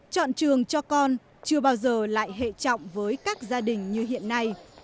chọn trường cho con chưa bao giờ lại hệ trọng với các gia đình như hiện nay